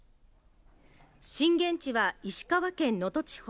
震源地は石川県能登地方。